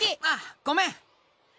ああごめん。